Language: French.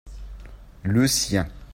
le sien.